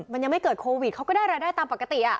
มันยังไม่เกิดโควิดเขาก็ได้รายได้ตามปกติ